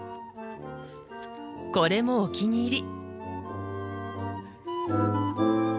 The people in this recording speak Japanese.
これもお気に入り。